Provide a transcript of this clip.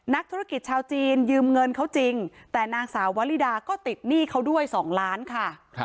นักธุรกิจชาวจีนยืมเงินเขาจริงแต่นางสาววลิดาก็ติดหนี้เขาด้วย๒ล้านค่ะ